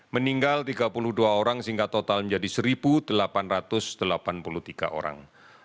meninggal tiga puluh dua orang sehingga total menjadi satu delapan ratus delapan puluh tiga orang